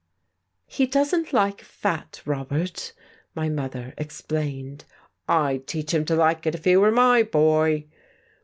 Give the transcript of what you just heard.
"He doesn't like fat, Robert," my mother explained. "I'd teach him to like it if he were my boy."